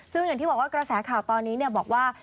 ซึ่งอย่างที่บอกว่ากระแสข่าวตอนนี้บอกว่า